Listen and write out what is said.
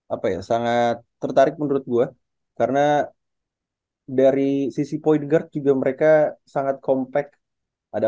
apa ya sangat tertarik menurut gue karena dari sisi point guard juga mereka sangat compact ada